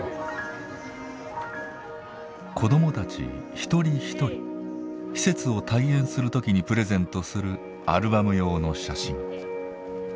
子どもたち一人一人施設を退園する時にプレゼントするアルバム用の写真。